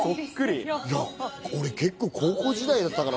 俺、結構、高校時代だったから。